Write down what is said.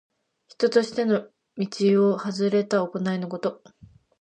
人としての道をはずれた行いのこと。